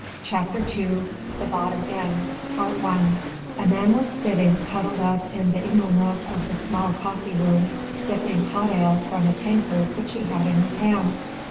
CHAPTER II THE BOTTOM INN I A man was sitting, huddled up in the ingle nook of the small coffee room, sipping hot ale from a tankard which he had in his hand.